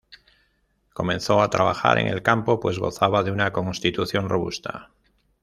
Comenzó a trabajar en el campo, pues gozaba de una constitución robusta.